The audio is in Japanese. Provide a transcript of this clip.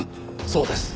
そうです。